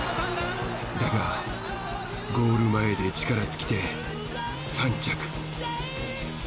だがゴール前で力尽きて３着。